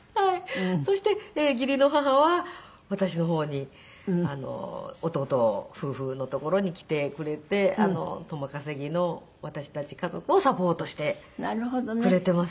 そして義理の母は私の方に弟夫婦のところに来てくれて共稼ぎの私たち家族をサポートしてくれています。